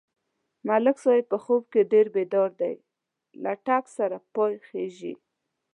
ملک صاحب په خوب کې ډېر بیداره دی، له ټک سره پا څېږي.